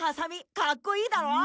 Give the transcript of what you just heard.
かっこいいだろ？